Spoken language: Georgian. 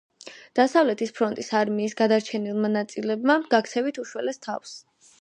დასავლეთის ფრონტის არმიის გადარჩენილმა ნაწილებმა გაქცევით უშველეს თავს.